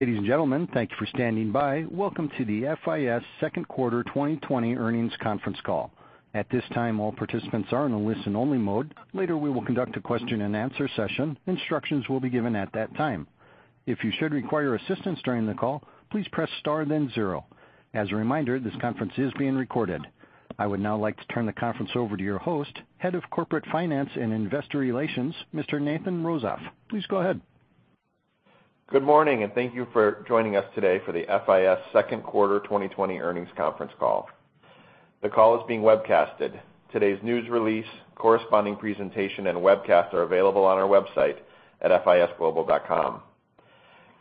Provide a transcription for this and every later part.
Ladies and gentlemen, thank you for standing by. Welcome to the FIS Second Quarter 2020 Earnings Conference Call. At this time, all participants are in a listen-only mode. Later, we will conduct a question-and-answer session. Instructions will be given at that time. If you should require assistance during the call, please press star then zero. As a reminder, this conference is being recorded. I would now like to turn the conference over to your host, Head of Corporate Finance and Investor Relations, Mr. Nathan Rozof. Please go ahead. Good morning. Thank you for joining us today for the FIS Second Quarter 2020 Earnings Conference Call. The call is being webcasted. Today's news release, corresponding presentation, and webcast are available on our website at fisglobal.com.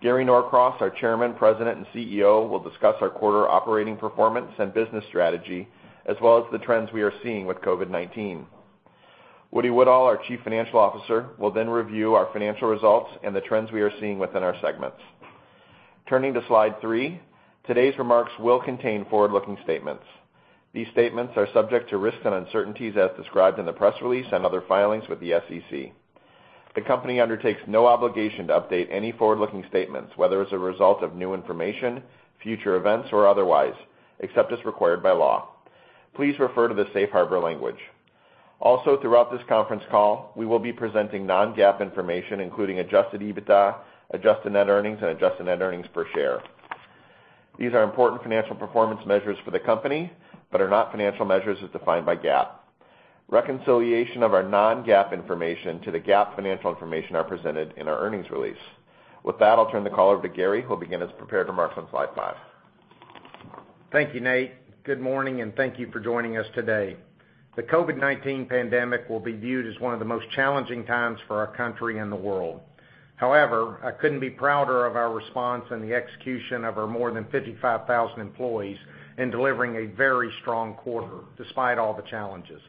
Gary Norcross, our Chairman, President, and CEO, will discuss our quarter operating performance and business strategy as well as the trends we are seeing with COVID-19. Woody Woodall, our Chief Financial Officer, will then review our financial results and the trends we are seeing within our segments. Turning to slide three, today's remarks will contain forward-looking statements. These statements are subject to risks and uncertainties as described in the press release and other filings with the SEC. The company undertakes no obligation to update any forward-looking statements, whether as a result of new information, future events, or otherwise, except as required by law. Please refer to the safe harbor language. Also, throughout this conference call, we will be presenting non-GAAP information, including adjusted EBITDA, adjusted net earnings, and adjusted net earnings per share. These are important financial performance measures for the company but are not financial measures as defined by GAAP. Reconciliation of our non-GAAP information to the GAAP financial information are presented in our earnings release. With that, I'll turn the call over to Gary, who'll begin his prepared remarks on slide five. Thank you, Nate. Good morning, and thank you for joining us today. The COVID-19 pandemic will be viewed as one of the most challenging times for our country and the world. However, I couldn't be prouder of our response and the execution of our more than 55,000 employees in delivering a very strong quarter despite all the challenges.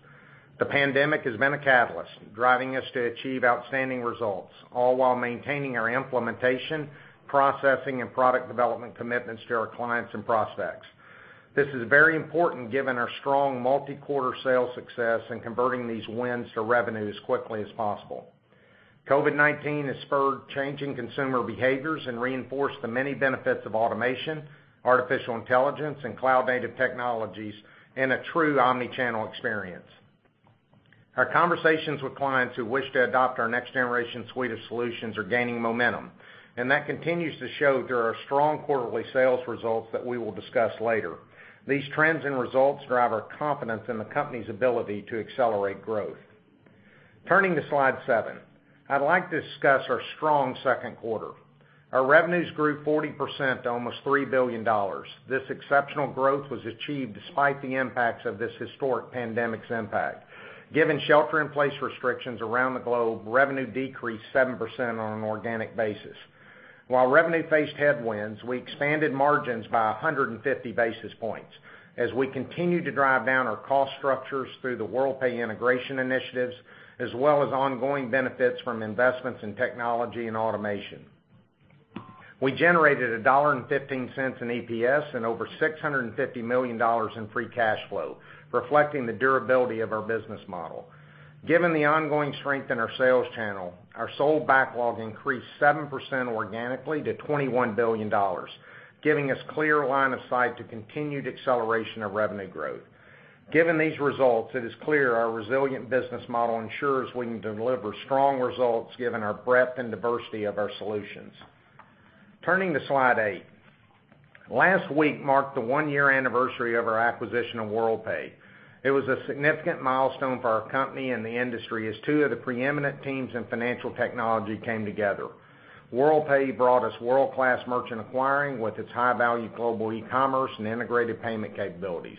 The pandemic has been a catalyst driving us to achieve outstanding results, all while maintaining our implementation, processing, and product development commitments to our clients and prospects. This is very important given our strong multi-quarter sales success in converting these wins to revenue as quickly as possible. COVID-19 has spurred changing consumer behaviors and reinforced the many benefits of automation, artificial intelligence, and cloud-native technologies in a true omni-channel experience. Our conversations with clients who wish to adopt our next-generation suite of solutions are gaining momentum, and that continues to show through our strong quarterly sales results that we will discuss later. These trends and results drive our confidence in the company's ability to accelerate growth. Turning to slide seven. I'd like to discuss our strong second quarter. Our revenues grew 40% to almost $3 billion. This exceptional growth was achieved despite the impacts of this historic pandemic's impact. Given shelter-in-place restrictions around the globe, revenue decreased 7% on an organic basis. While revenue faced headwinds, we expanded margins by 150 basis points as we continue to drive down our cost structures through the Worldpay integration initiatives as well as ongoing benefits from investments in technology and automation. We generated a $1.15 in EPS and over $650 million in free cash flow, reflecting the durability of our business model. Given the ongoing strength in our sales channel, our sold backlog increased 7% organically to $21 billion, giving us clear line of sight to continued acceleration of revenue growth. Given these results, it is clear our resilient business model ensures we can deliver strong results given our breadth and diversity of our solutions. Turning to slide eight. Last week marked the one-year anniversary of our acquisition of Worldpay. It was a significant milestone for our company and the industry as two of the preeminent teams in financial technology came together. Worldpay brought us world-class merchant acquiring with its high-value global e-commerce and integrated payment capabilities.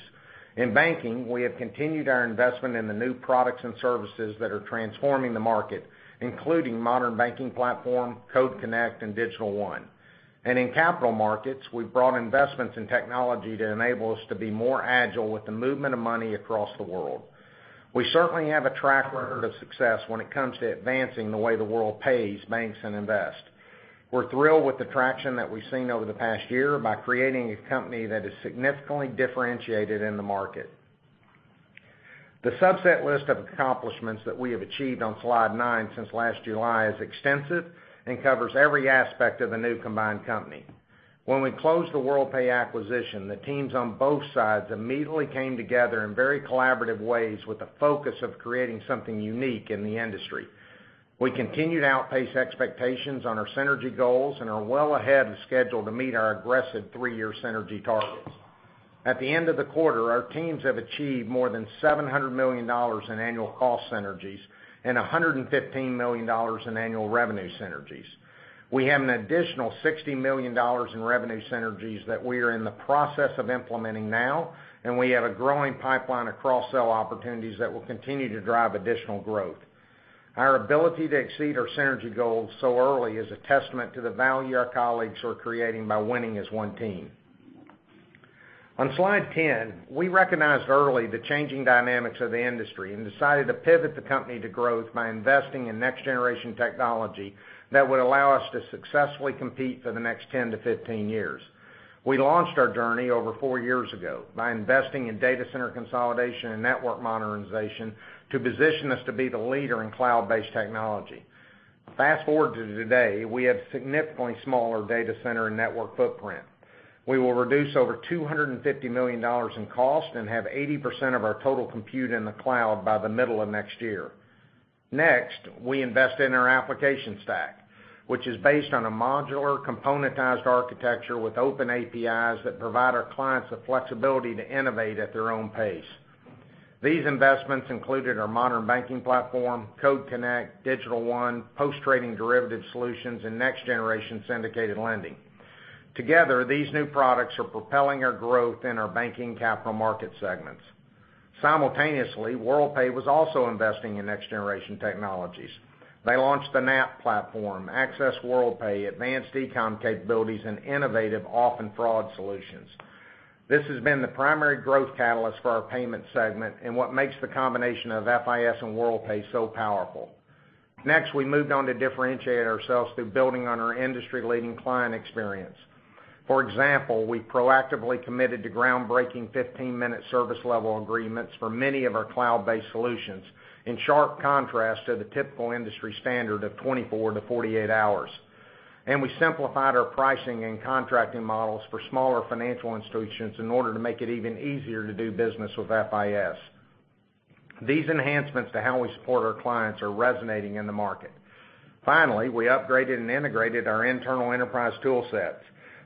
In banking, we have continued our investment in the new products and services that are transforming the market, including Modern Banking Platform, Code Connect, and Digital One. In capital markets, we've brought investments in technology to enable us to be more agile with the movement of money across the world. We certainly have a track record of success when it comes to advancing the way the world pays banks and invest. We're thrilled with the traction that we've seen over the past year by creating a company that is significantly differentiated in the market. The subset list of accomplishments that we have achieved on slide nine since last July is extensive and covers every aspect of the new combined company. When we closed the Worldpay acquisition, the teams on both sides immediately came together in very collaborative ways with the focus of creating something unique in the industry. We continue to outpace expectations on our synergy goals and are well ahead of schedule to meet our aggressive three-year synergy targets. At the end of the quarter, our teams have achieved more than $700 million in annual cost synergies and $115 million in annual revenue synergies. We have an additional $60 million in revenue synergies that we are in the process of implementing now, and we have a growing pipeline of cross-sell opportunities that will continue to drive additional growth. Our ability to exceed our synergy goals so early is a testament to the value our colleagues are creating by winning as one team. On slide 10, we recognized early the changing dynamics of the industry and decided to pivot the company to growth by investing in next-generation technology that would allow us to successfully compete for the next 10 to 15 years. We launched our journey over four years ago by investing in data center consolidation and network modernization to position us to be the leader in cloud-based technology. Fast-forward to today, we have a significantly smaller data center and network footprint. We will reduce over $250 million in cost and have 80% of our total compute in the cloud by the middle of next year. Next, we invest in our application stack, which is based on a modular componentized architecture with open APIs that provide our clients the flexibility to innovate at their own pace. These investments included our Modern Banking Platform, Code Connect, Digital One, Post-Trading Derivative Solutions, and next-generation syndicated lending. Together, these new products are propelling our growth in our banking capital market segments. Simultaneously, Worldpay was also investing in next-generation technologies. They launched the NAP platform, Access Worldpay, advanced eCom capabilities, and innovative auth and fraud solutions. This has been the primary growth catalyst for our payments segment and what makes the combination of FIS and Worldpay so powerful. Next, we moved on to differentiate ourselves through building on our industry-leading client experience. For example, we proactively committed to groundbreaking 15-minute service level agreements for many of our cloud-based solutions, in sharp contrast to the typical industry standard of 24-48 hours. We simplified our pricing and contracting models for smaller financial institutions in order to make it even easier to do business with FIS. These enhancements to how we support our clients are resonating in the market. Finally, we upgraded and integrated our internal enterprise tool sets,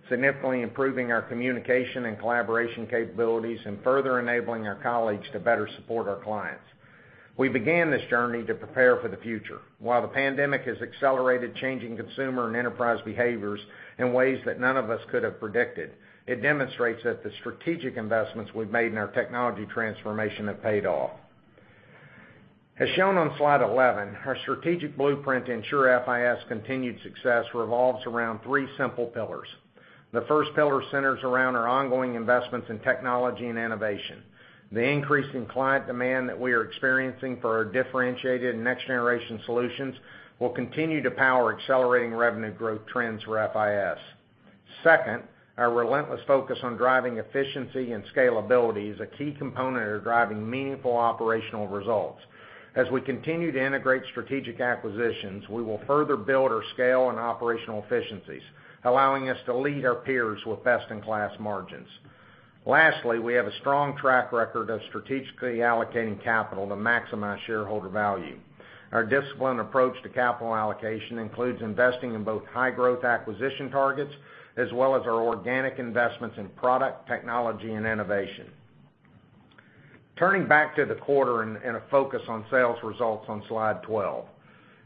significantly improving our communication and collaboration capabilities and further enabling our colleagues to better support our clients. We began this journey to prepare for the future. While the pandemic has accelerated changing consumer and enterprise behaviors in ways that none of us could have predicted, it demonstrates that the strategic investments we've made in our technology transformation have paid off. As shown on slide 11, our strategic blueprint to ensure FIS's continued success revolves around three simple pillars. The first pillar centers around our ongoing investments in technology and innovation. The increase in client demand that we are experiencing for our differentiated next-generation solutions will continue to power accelerating revenue growth trends for FIS. Second, our relentless focus on driving efficiency and scalability is a key component of driving meaningful operational results. As we continue to integrate strategic acquisitions, we will further build our scale and operational efficiencies, allowing us to lead our peers with best-in-class margins. Lastly, we have a strong track record of strategically allocating capital to maximize shareholder value. Our disciplined approach to capital allocation includes investing in both high-growth acquisition targets as well as our organic investments in product, technology, and innovation. Turning back to the quarter and a focus on sales results on Slide 12.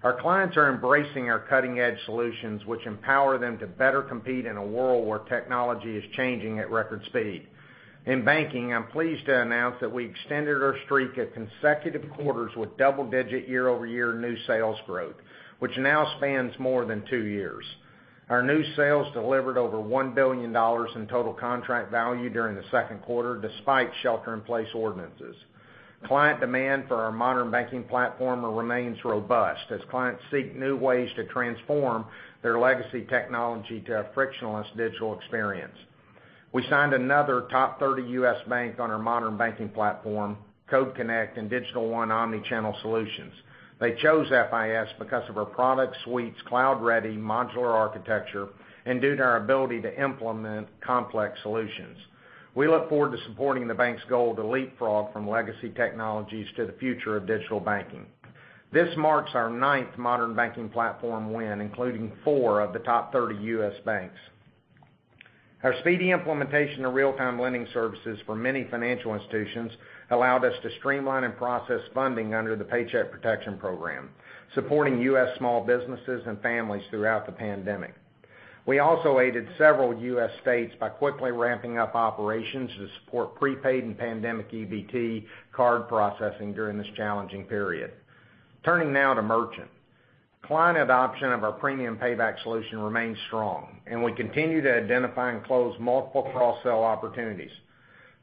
Our clients are embracing our cutting-edge solutions, which empower them to better compete in a world where technology is changing at record speed. In banking, I'm pleased to announce that we extended our streak of consecutive quarters with double-digit year-over-year new sales growth, which now spans more than two years. Our new sales delivered over $1 billion in total contract value during the second quarter, despite shelter-in-place ordinances. Client demand for our Modern Banking Platform remains robust as clients seek new ways to transform their legacy technology to a frictionless digital experience. We signed another top 30 U.S. bank on our Modern Banking Platform, Code Connect, and Digital One omnichannel solutions. They chose FIS because of our product suite's cloud-ready modular architecture and due to our ability to implement complex solutions. We look forward to supporting the bank's goal to leapfrog from legacy technologies to the future of digital banking. This marks our ninth Modern Banking Platform win, including four of the top 30 U.S. banks. Our speedy implementation of real-time lending services for many financial institutions allowed us to streamline and process funding under the Paycheck Protection Program, supporting U.S. small businesses and families throughout the pandemic. We also aided several U.S. states by quickly ramping up operations to support prepaid and pandemic EBT card processing during this challenging period. Turning now to merchant. Client adoption of our Premium Payback solution remains strong, and FIS continue to identify and close multiple cross-sell opportunities.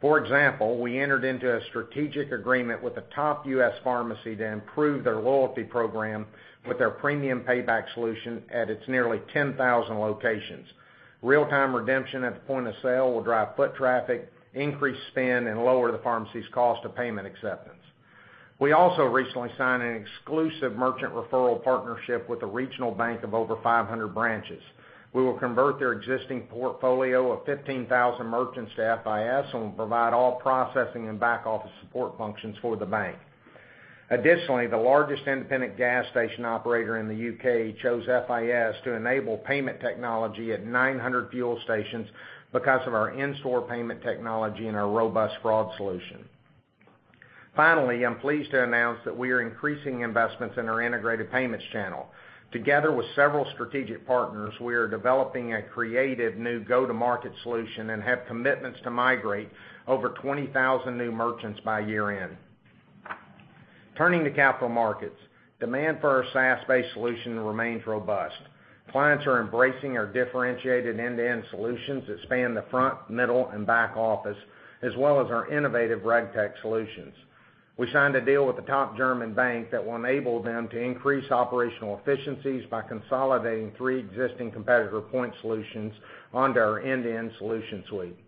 For example, we entered into a strategic agreement with a top U.S. pharmacy to improve their loyalty program with their Premium Payback solution at its nearly 10,000 locations. Real-time redemption at the point of sale will drive foot traffic, increase spend, and lower the pharmacy's cost of payment acceptance. We also recently signed an exclusive merchant referral partnership with a regional bank of over 500 branches. We will convert their existing portfolio of 15,000 merchants to FIS and will provide all processing and back-office support functions for the bank. The largest independent gas station operator in the U.K. chose FIS to enable payment technology at 900 fuel stations because of our in-store payment technology and our robust fraud solution. I'm pleased to announce that we are increasing investments in our integrated payments channel. Together with several strategic partners, we are developing a creative new go-to-market solution and have commitments to migrate over 20,000 new merchants by year-end. Turning to capital markets. Demand for our SaaS-based solution remains robust. Clients are embracing our differentiated end-to-end solutions that span the front, middle, and back office, as well as our innovative RegTech solutions. We signed a deal with a top German bank that will enable them to increase operational efficiencies by consolidating three existing competitor point solutions onto our end-to-end solution suite.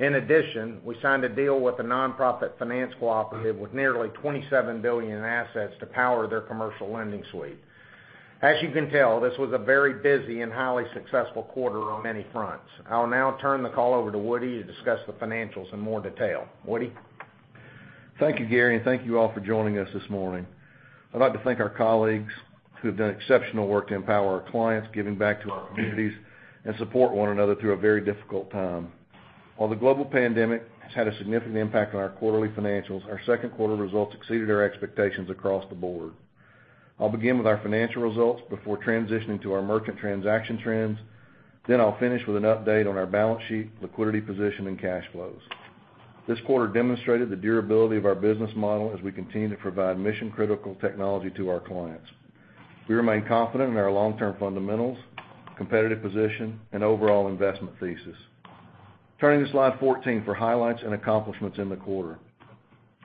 In addition, we signed a deal with a nonprofit finance cooperative with nearly $27 billion in assets to power their commercial lending suite. As you can tell, this was a very busy and highly successful quarter on many fronts. I'll now turn the call over to Woody to discuss the financials in more detail. Woody? Thank you, Gary. Thank you all for joining us this morning. I'd like to thank our colleagues who have done exceptional work to empower our clients, giving back to our communities, and support one another through a very difficult time. While the global pandemic has had a significant impact on our quarterly financials, our second quarter results exceeded our expectations across the board. I'll begin with our financial results before transitioning to our merchant transaction trends. I'll finish with an update on our balance sheet, liquidity position, and cash flows. This quarter demonstrated the durability of our business model as we continue to provide mission-critical technology to our clients. We remain confident in our long-term fundamentals, competitive position, and overall investment thesis. Turning to slide 14 for highlights and accomplishments in the quarter.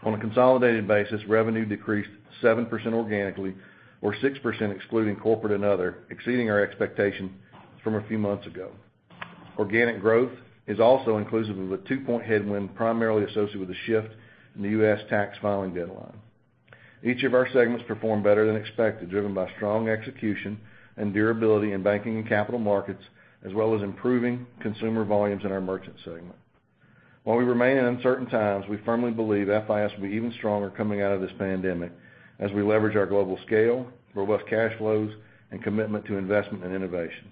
On a consolidated basis, revenue decreased 7% organically, or 6% excluding corporate and other, exceeding our expectation from a few months ago. Organic growth is also inclusive of a two-point headwind primarily associated with the shift in the U.S. tax filing deadline. Each of our segments performed better than expected, driven by strong execution and durability in banking and capital markets, as well as improving consumer volumes in our merchant segment. While we remain in uncertain times, we firmly believe FIS will be even stronger coming out of this pandemic as we leverage our global scale, robust cash flows, and commitment to investment and innovation.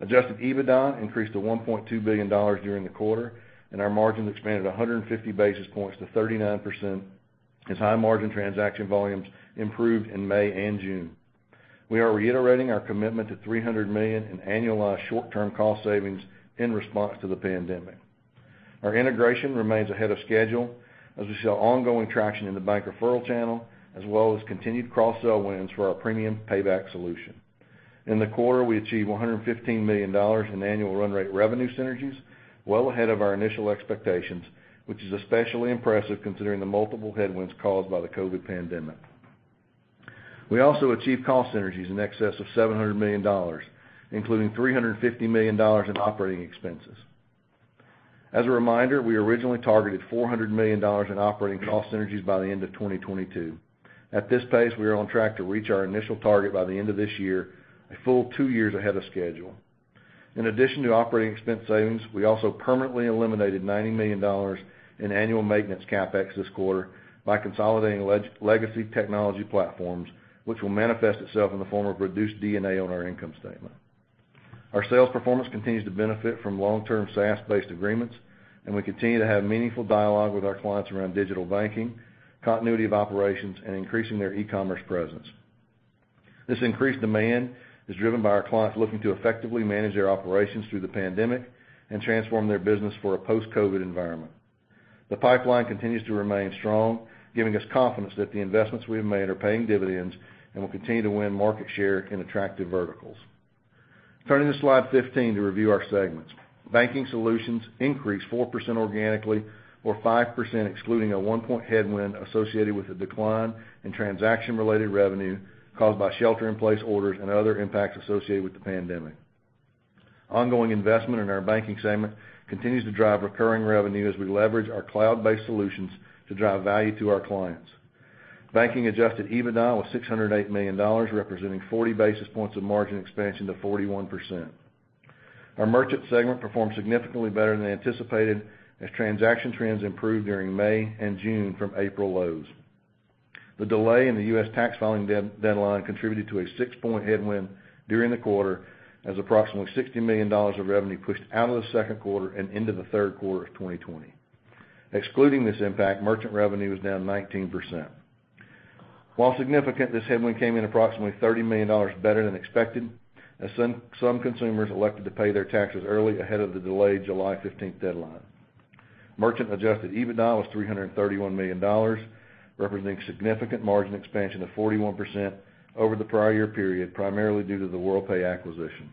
Adjusted EBITDA increased to $1.2 billion during the quarter, and our margin expanded 150 basis points to 39% as high-margin transaction volumes improved in May and June. We are reiterating our commitment to $300 million in annualized short-term cost savings in response to the pandemic. Our integration remains ahead of schedule as we see ongoing traction in the bank referral channel, as well as continued cross-sell wins for our Premium Payback solution. In the quarter, we achieved $115 million in annual run rate revenue synergies, well ahead of our initial expectations, which is especially impressive considering the multiple headwinds caused by the COVID-19 pandemic. We also achieved cost synergies in excess of $700 million, including $350 million in operating expenses. As a reminder, we originally targeted $400 million in operating cost synergies by the end of 2022. At this pace, we are on track to reach our initial target by the end of this year, a full two years ahead of schedule. In addition to operating expense savings, we also permanently eliminated $90 million in annual maintenance CapEx this quarter by consolidating legacy technology platforms, which will manifest itself in the form of reduced D&A on our income statement. Our sales performance continues to benefit from long-term SaaS-based agreements, and we continue to have meaningful dialogue with our clients around digital banking, continuity of operations, and increasing their e-commerce presence. This increased demand is driven by our clients looking to effectively manage their operations through the pandemic and transform their business for a post-COVID environment. The pipeline continues to remain strong, giving us confidence that the investments we have made are paying dividends, and we'll continue to win market share in attractive verticals. Turning to slide 15 to review our segments. Banking solutions increased 4% organically, or 5% excluding a 1-point headwind associated with a decline in transaction-related revenue caused by shelter-in-place orders and other impacts associated with the pandemic. Ongoing investment in our banking segment continues to drive recurring revenue as we leverage our cloud-based solutions to drive value to our clients. Banking adjusted EBITDA was $608 million, representing 40 basis points of margin expansion to 41%. Our merchant segment performed significantly better than anticipated as transaction trends improved during May and June from April lows. The delay in the U.S. tax filing deadline contributed to a 6-point headwind during the quarter as approximately $60 million of revenue pushed out of the second quarter and into the third quarter of 2020. Excluding this impact, merchant revenue was down 19%. While significant, this headwind came in approximately $30 million better than expected, as some consumers elected to pay their taxes early ahead of the delayed July 15th deadline. Merchant-adjusted EBITDA was $331 million, representing significant margin expansion of 41% over the prior year period, primarily due to the Worldpay acquisition.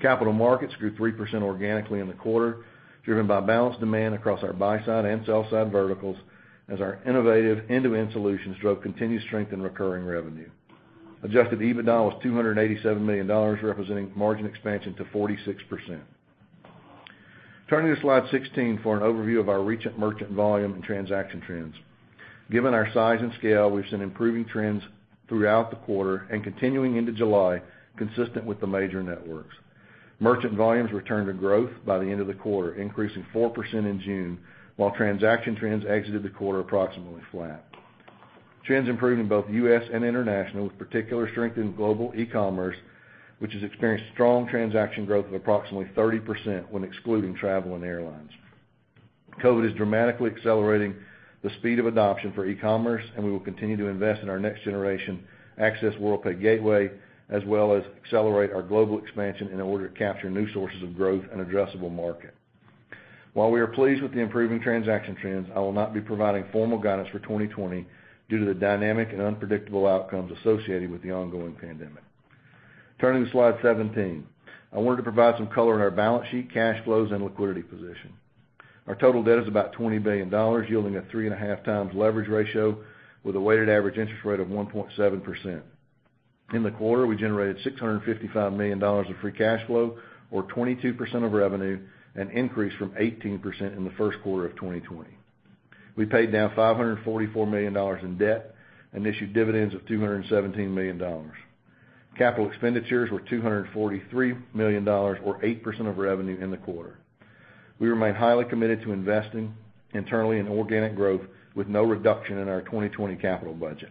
Capital markets grew 3% organically in the quarter, driven by balanced demand across our buy-side and sell-side verticals as our innovative end-to-end solutions drove continued strength in recurring revenue. Adjusted EBITDA was $287 million, representing margin expansion to 46%. Turning to slide 16 for an overview of our recent merchant volume and transaction trends. Given our size and scale, we've seen improving trends throughout the quarter and continuing into July, consistent with the major networks. Merchant volumes returned to growth by the end of the quarter, increasing 4% in June while transaction trends exited the quarter approximately flat. Trends improved in both U.S. and international, with particular strength in global e-commerce, which has experienced strong transaction growth of approximately 30% when excluding travel and airlines. COVID-19 is dramatically accelerating the speed of adoption for e-commerce, and we will continue to invest in our next-generation Access Worldpay gateway, as well as accelerate our global expansion in order to capture new sources of growth and addressable market. While we are pleased with the improving transaction trends, I will not be providing formal guidance for 2020 due to the dynamic and unpredictable outcomes associated with the ongoing pandemic. Turning to slide 17. I wanted to provide some color on our balance sheet, cash flows, and liquidity position. Our total debt is about $20 billion, yielding a 3.5x leverage ratio with a weighted average interest rate of 1.7%. In the quarter, we generated $655 million of free cash flow, or 22% of revenue, an increase from 18% in the first quarter of 2020. We paid down $544 million in debt and issued dividends of $217 million. Capital expenditures were $243 million or 8% of revenue in the quarter. We remain highly committed to investing internally in organic growth with no reduction in our 2020 capital budget.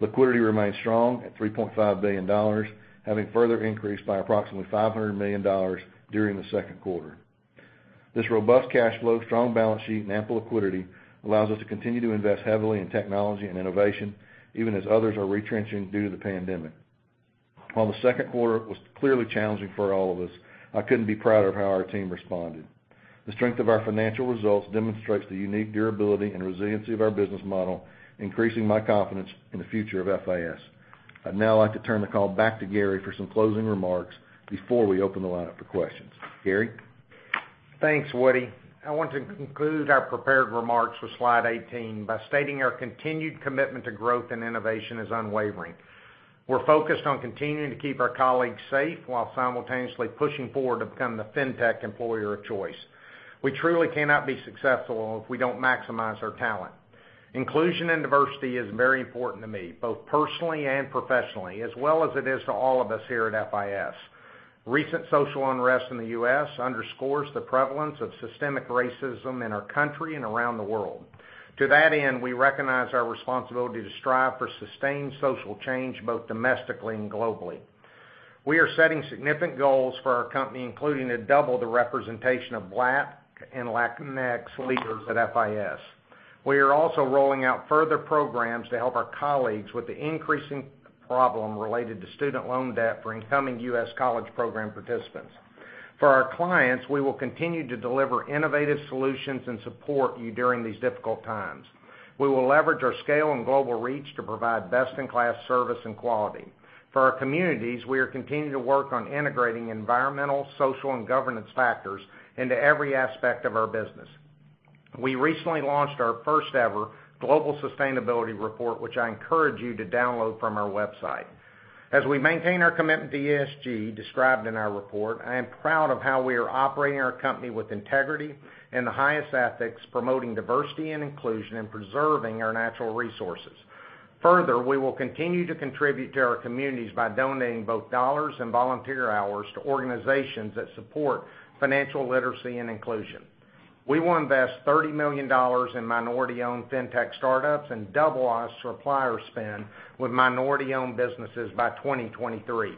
Liquidity remains strong at $3.5 billion, having further increased by approximately $500 million during the second quarter. This robust cash flow, strong balance sheet, and ample liquidity allows us to continue to invest heavily in technology and innovation, even as others are retrenching due to the pandemic. While the second quarter was clearly challenging for all of us, I couldn't be prouder of how our team responded. The strength of our financial results demonstrates the unique durability and resiliency of our business model, increasing my confidence in the future of FIS. I'd now like to turn the call back to Gary for some closing remarks before we open the line up for questions. Gary? Thanks, Woody. I want to conclude our prepared remarks with slide 18 by stating our continued commitment to growth and innovation is unwavering. We're focused on continuing to keep our colleagues safe while simultaneously pushing forward to become the fintech employer of choice. We truly cannot be successful if we don't maximize our talent. Inclusion and diversity is very important to me, both personally and professionally, as well as it is to all of us here at FIS. Recent social unrest in the U.S. underscores the prevalence of systemic racism in our country and around the world. To that end, we recognize our responsibility to strive for sustained social change, both domestically and globally. We are setting significant goals for our company, including to double the representation of Black and Latinx leaders at FIS. We are also rolling out further programs to help our colleagues with the increasing problem related to student loan debt for incoming U.S. college program participants. For our clients, we will continue to deliver innovative solutions and support you during these difficult times. We will leverage our scale and global reach to provide best-in-class service and quality. For our communities, we are continuing to work on integrating environmental, social, and governance factors into every aspect of our business. We recently launched our first-ever global sustainability report, which I encourage you to download from our website. As we maintain our commitment to ESG described in our report, I am proud of how we are operating our company with integrity and the highest ethics, promoting diversity and inclusion, and preserving our natural resources. Further, we will continue to contribute to our communities by donating both dollars and volunteer hours to organizations that support financial literacy and inclusion. We will invest $30 million in minority-owned fintech startups and double our supplier spend with minority-owned businesses by 2023.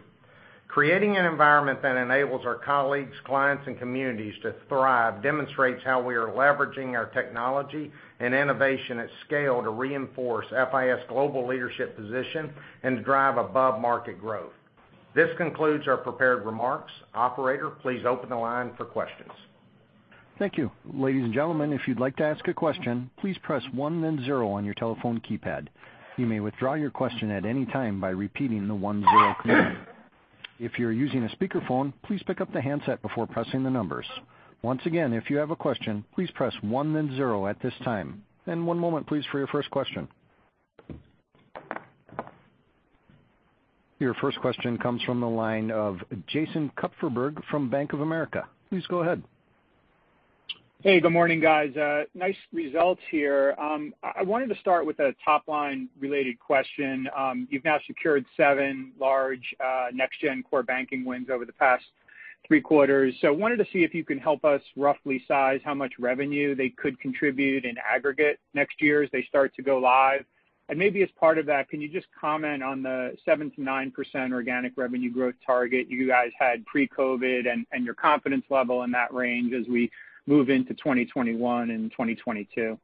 Creating an environment that enables our colleagues, clients, and communities to thrive demonstrates how we are leveraging our technology and innovation at scale to reinforce FIS' global leadership position and to drive above-market growth. This concludes our prepared remarks. Operator, please open the line for questions. Thank you. Ladies and gentlemen, if you'd like to ask a question, please press one then zero on your telephone keypad. You may withdraw your question at any time by repeating the one-zero command. If you're using a speakerphone, please pick up the handset before pressing the numbers. Once again, if you have a question, please press one, then zero at this time. One moment, please, for your first question. Your first question comes from the line of Jason Kupferberg from Bank of America. Please go ahead. Good morning, guys. Nice results here. I wanted to start with a top-line related question. You've now secured seven large next-gen core banking wins over the past three quarters. I wanted to see if you can help us roughly size how much revenue they could contribute in aggregate next year as they start to go live. Maybe as part of that, can you just comment on the 7%-9% organic revenue growth target you guys had pre-COVID and your confidence level in that range as we move into 2021 and 2022?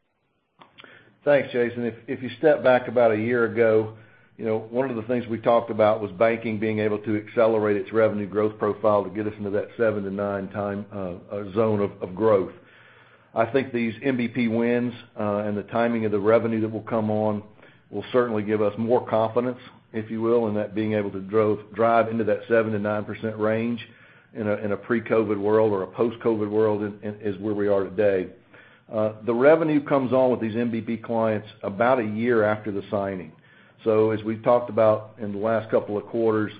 Thanks, Jason. If you step back about a year ago, one of the things we talked about was banking being able to accelerate its revenue growth profile to get us into that 7%-9% zone of growth. I think these MBP wins and the timing of the revenue that will come on will certainly give us more confidence, if you will, in that being able to drive into that 7%-9% range in a pre-COVID-19 world or a post-COVID-19 world as where we are today. The revenue comes on with these MBP clients about a year after the signing. As we've talked about in the last couple of quarters,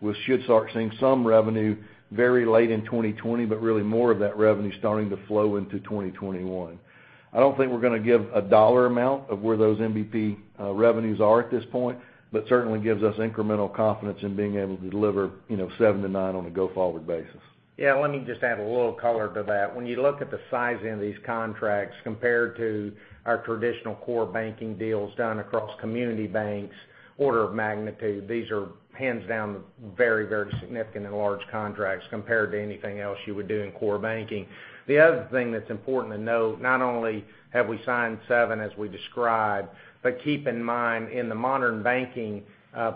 we should start seeing some revenue very late in 2020, but really more of that revenue starting to flow into 2021. I don't think we're going to give a dollar amount of where those MBP revenues are at this point, but certainly gives us incremental confidence in being able to deliver 7%-9% on a go-forward basis. Yeah, let me just add a little color to that. When you look at the sizing of these contracts compared to our traditional core banking deals done across community banks, order of magnitude, these are hands down very, very significant and large contracts compared to anything else you would do in core banking. The other thing that's important to note, not only have we signed seven as we described, keep in mind, in the Modern Banking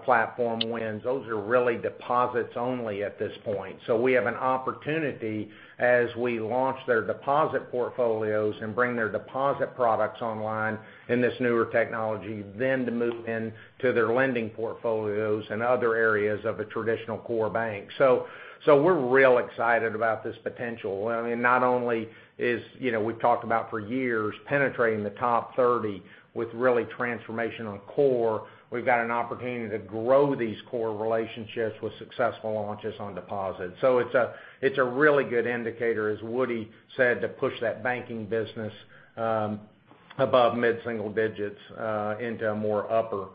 Platform wins, those are really deposits only at this point. We have an opportunity as we launch their deposit portfolios and bring their deposit products online in this newer technology, then to move into their lending portfolios and other areas of a traditional core bank. We're real excited about this potential. We've talked about for years penetrating the top 30 with really transformational core. We've got an opportunity to grow these core relationships with successful launches on deposits. It's a really good indicator, as Woody said, to push that banking business. Above mid-single digits into a more upper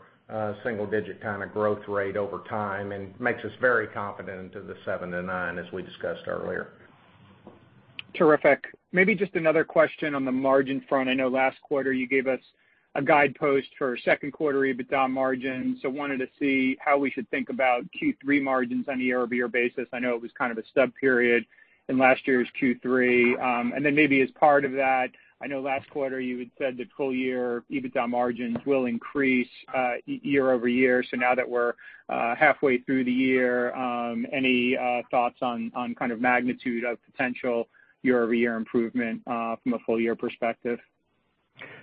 single digit kind of growth rate over time and makes us very confident into the 7%-9% as we discussed earlier. Terrific. Maybe just another question on the margin front. I know last quarter you gave us a guidepost for second quarter EBITDA margins, so wanted to see how we should think about Q3 margins on a year-over-year basis. I know it was kind of a stub period in last year's Q3. Then maybe as part of that, I know last quarter you had said that full year EBITDA margins will increase year-over-year. Now that we're halfway through the year, any thoughts on kind of magnitude of potential year-over-year improvement from a full year perspective?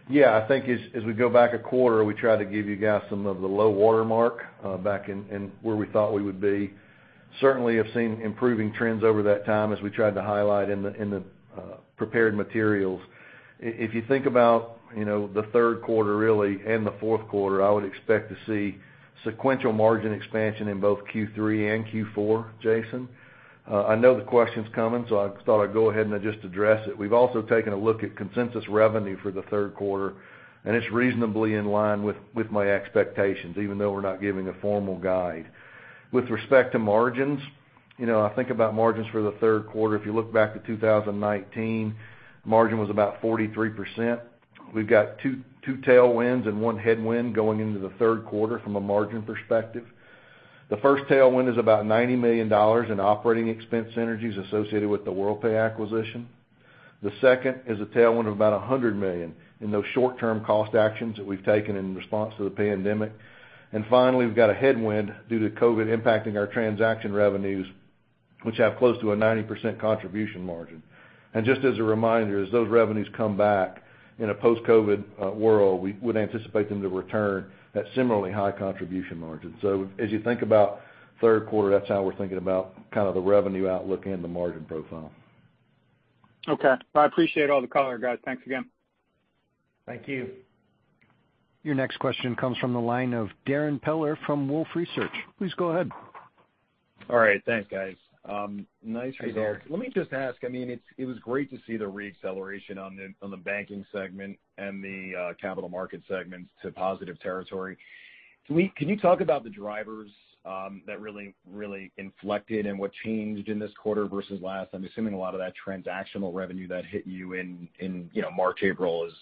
Yeah, I think as we go back a quarter, we try to give you guys some of the low water mark back and where we thought we would be. Certainly have seen improving trends over that time as we tried to highlight in the prepared materials. If you think about the third quarter really and the fourth quarter, I would expect to see sequential margin expansion in both Q3 and Q4, Jason. I know the question's coming, so I thought I'd go ahead and just address it. We've also taken a look at consensus revenue for the third quarter, and it's reasonably in line with my expectations even though we're not giving a formal guide. With respect to margins, I think about margins for the third quarter. If you look back to 2019, margin was about 43%. We've got two tailwinds and one headwind going into the third quarter from a margin perspective. The first tailwind is about $90 million in operating expense synergies associated with the Worldpay acquisition. The second is a tailwind of about $100 million in those short-term cost actions that we've taken in response to the pandemic. Finally, we've got a headwind due to COVID impacting our transaction revenues, which have close to a 90% contribution margin. Just as a reminder, as those revenues come back in a post-COVID world, we would anticipate them to return at similarly high contribution margins. As you think about third quarter, that's how we're thinking about kind of the revenue outlook and the margin profile. Okay. I appreciate all the color, guys. Thanks again. Thank you. Your next question comes from the line of Darrin Peller from Wolfe Research. Please go ahead. All right. Thanks, guys. Nice results. Let me just ask, it was great to see the re-acceleration on the banking segment and the capital market segments to positive territory. Can you talk about the drivers that really inflected and what changed in this quarter versus last? I'm assuming a lot of that transactional revenue that hit you in March, April has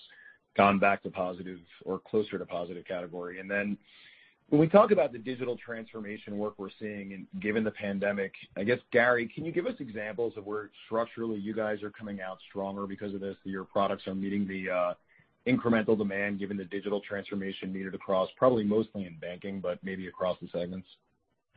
gone back to positive or closer to positive category. When we talk about the digital transformation work we're seeing and given the pandemic, I guess, Gary, can you give us examples of where structurally you guys are coming out stronger because of this, that your products are meeting the incremental demand given the digital transformation needed across, probably mostly in banking, but maybe across the segments? Yeah,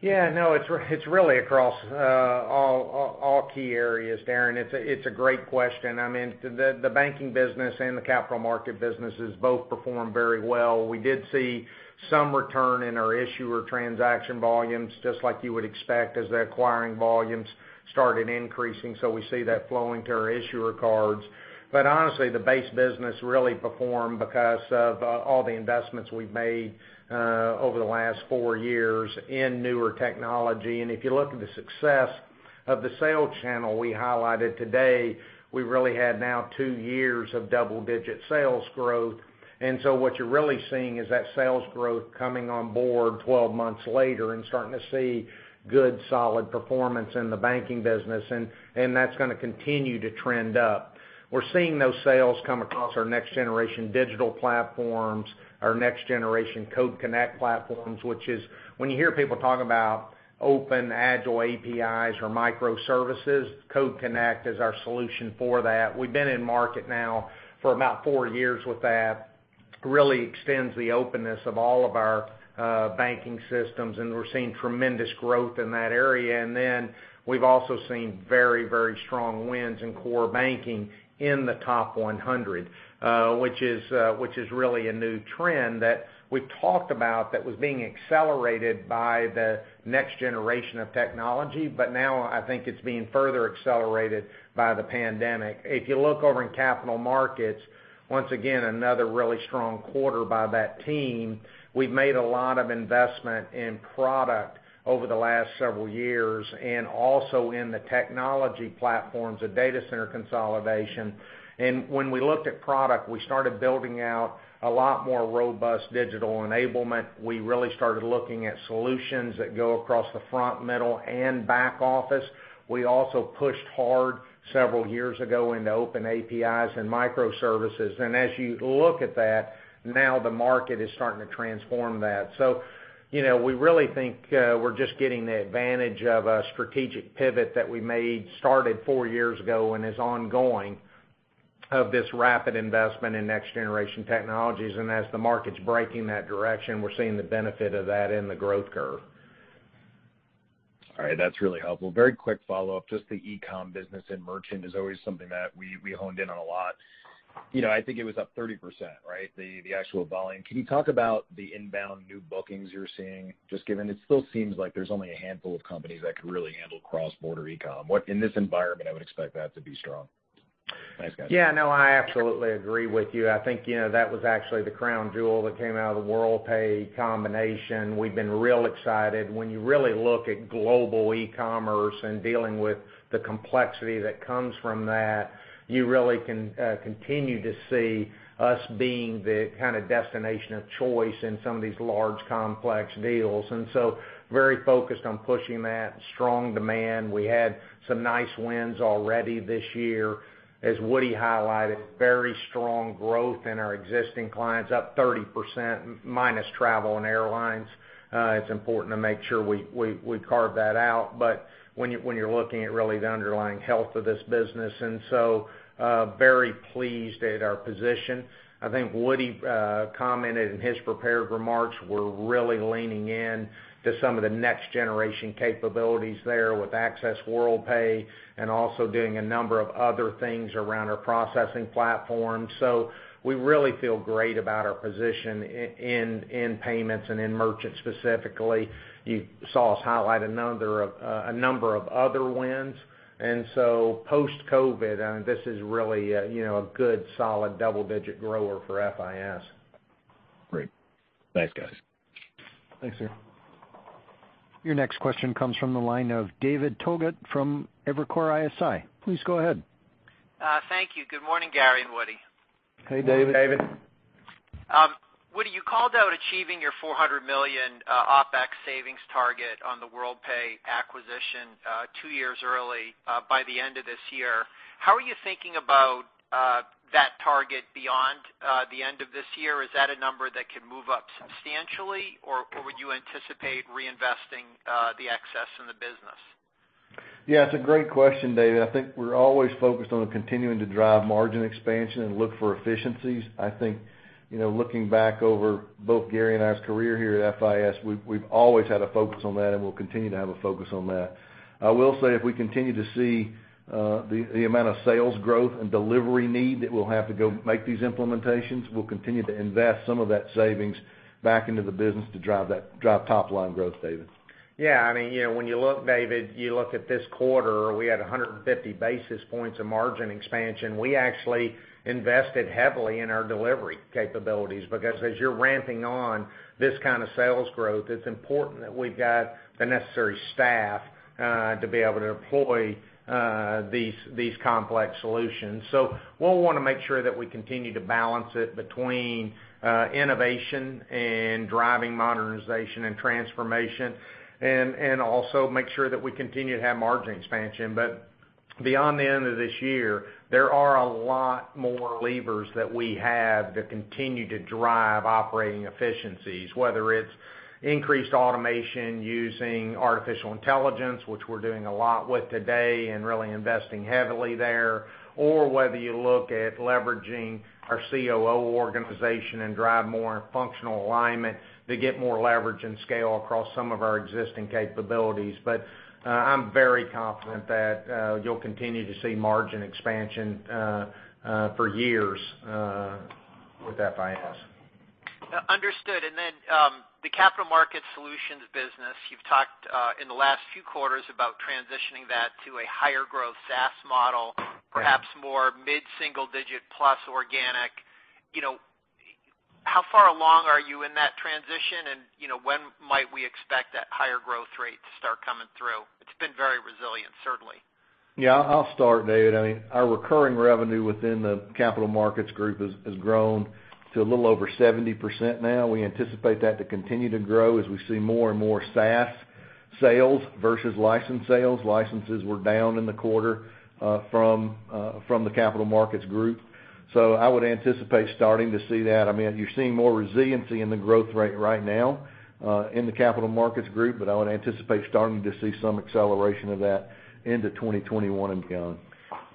no, it's really across all key areas, Darrin. It's a great question. The banking business and the capital market businesses both performed very well. We did see some return in our issuer transaction volumes, just like you would expect as the acquiring volumes started increasing. We see that flowing to our issuer cards. Honestly, the base business really performed because of all the investments we've made over the last four years in newer technology. If you look at the success of the sales channel we highlighted today, we really had now two years of double-digit sales growth. What you're really seeing is that sales growth coming on board 12 months later and starting to see good, solid performance in the banking business. That's going to continue to trend up. We're seeing those sales come across our next generation digital platforms, our next generation Code Connect platforms, which is when you hear people talk about open, agile APIs or microservices, Code Connect is our solution for that. We've been in market now for about four years with that. Really extends the openness of all of our banking systems. We're seeing tremendous growth in that area. We've also seen very strong wins in core banking in the top 100, which is really a new trend that we've talked about that was being accelerated by the next generation of technology. Now I think it's being further accelerated by the pandemic. If you look over in capital markets, once again, another really strong quarter by that team. We've made a lot of investment in product over the last several years and also in the technology platforms, the data center consolidation. When we looked at product, we started building out a lot more robust digital enablement. We really started looking at solutions that go across the front, middle, and back office. We also pushed hard several years ago into open APIs and microservices. As you look at that, now the market is starting to transform that. We really think we're just getting the advantage of a strategic pivot that we made, started four years ago and is ongoing of this rapid investment in next generation technologies. As the market's breaking that direction, we're seeing the benefit of that in the growth curve. All right. That's really helpful. Very quick follow-up, just the e-com business and merchant is always something that we honed in on a lot. I think it was up 30%, right? The actual volume. Can you talk about the inbound new bookings you're seeing? Just given it still seems like there's only a handful of companies that could really handle cross-border e-com. In this environment, I would expect that to be strong. Thanks, guys. Yeah, no, I absolutely agree with you. I think that was actually the crown jewel that came out of the Worldpay combination. We've been real excited. When you really look at global e-commerce and dealing with the complexity that comes from that, you really can continue to see us being the destination of choice in some of these large, complex deals. Very focused on pushing that strong demand. We had some nice wins already this year. As Woody highlighted, very strong growth in our existing clients, up 30%, minus travel and airlines. It's important to make sure we carve that out, but when you're looking at really the underlying health of this business. Very pleased at our position. I think Woody commented in his prepared remarks, we're really leaning in to some of the next-generation capabilities there with Access Worldpay and also doing a number of other things around our processing platform. We really feel great about our position in payments and in merchant specifically. You saw us highlight a number of other wins. Post-COVID, this is really a good solid double-digit grower for FIS. Great. Thanks, guys. Thanks, sir. Your next question comes from the line of David Togut from Evercore ISI. Please go ahead. Thank you. Good morning, Gary and Woody. Hey, David. Morning, David. Woody, you called out achieving your $400 million OpEx savings target on the Worldpay acquisition two years early by the end of this year. How are you thinking about that target beyond the end of this year? Is that a number that can move up substantially, or would you anticipate reinvesting the excess in the business? Yeah, it's a great question, David. I think we're always focused on continuing to drive margin expansion and look for efficiencies. I think, looking back over both Gary and I's career here at FIS, we've always had a focus on that and we'll continue to have a focus on that. I will say if we continue to see the amount of sales growth and delivery need that we'll have to go make these implementations, we'll continue to invest some of that savings back into the business to drive top-line growth, David. Yeah. When you look, David, you look at this quarter, we had 150 basis points of margin expansion. We actually invested heavily in our delivery capabilities because as you're ramping on this kind of sales growth, it's important that we've got the necessary staff to be able to employ these complex solutions. We'll want to make sure that we continue to balance it between innovation and driving modernization and transformation, and also make sure that we continue to have margin expansion. Beyond the end of this year, there are a lot more levers that we have that continue to drive operating efficiencies, whether it's increased automation using artificial intelligence, which we're doing a lot with today and really investing heavily there, or whether you look at leveraging our COO organization and drive more functional alignment to get more leverage and scale across some of our existing capabilities. I'm very confident that you'll continue to see margin expansion for years with FIS. Understood. The capital market solutions business, you've talked in the last few quarters about transitioning that to a higher growth SaaS model. Right perhaps more mid-single digit plus organic. How far along are you in that transition, and when might we expect that higher growth rate to start coming through? It's been very resilient, certainly. I'll start, David. Our recurring revenue within the capital markets group has grown to a little over 70% now. We anticipate that to continue to grow as we see more and more SaaS sales versus license sales. Licenses were down in the quarter from the capital markets group. I would anticipate starting to see that. You're seeing more resiliency in the growth rate right now in the capital markets group, I would anticipate starting to see some acceleration of that into 2021 and beyond.